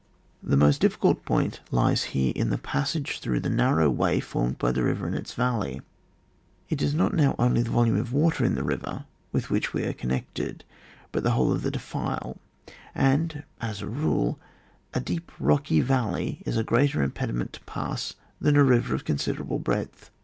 The most difficult point lies here in the passage through the narrow way formed by the river and its valley. It is not now only the volume of water in the river with which we are concerned, but the whole of the defile, and, as a rule, a deep rocky valley is a greater impedi ment to pass than a river of considerable breadth.